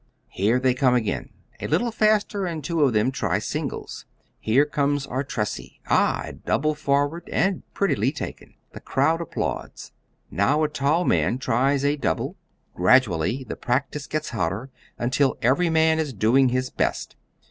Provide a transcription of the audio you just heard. Here they come again, a little faster, and two of them try singles. Here comes Artressi. Ah! a double forward, and prettily taken. The crowd applauds. Now a tall man tries a double. Gradually the practice gets hotter until every man is doing his best.